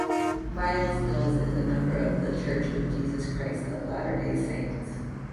Myles-Mills is a member of The Church of Jesus Christ of Latter-day Saints.